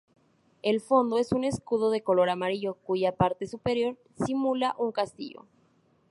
El fondo es un escudo de color amarillo, cuya parte superior simula un castillo.